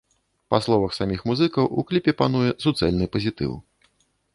Па словах саміх музыкаў, у кліпе пануе суцэльны пазітыў.